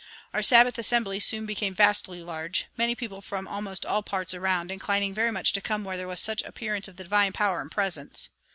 Our Sabbath assemblies soon became vastly large, many people from almost all parts around inclining very much to come where there was such appearance of the divine power and presence.